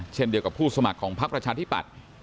เช่นเดียวกับผู้สมัครของพักประชาธิปัตย์